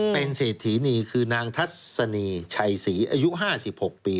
เป็นเศรษฐีนีคือนางทัศนีชัยศรีอายุ๕๖ปี